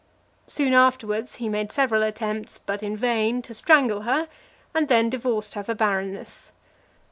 Soon afterwards, he made several attempts, but in vain, to strangle her, and then divorced her for barrenness.